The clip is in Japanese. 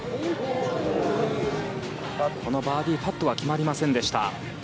このバーディーパットは決まりませんでした。